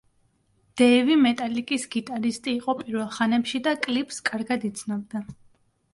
დეივი მეტალიკის გიტარისტი იყო პირველ ხანებში და კლიფს კარგად იცნობდა.